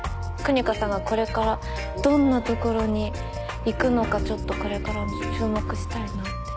ＫＵＮＩＫＡさんがこれからどんな所に行くのかちょっとこれからも注目したいなって。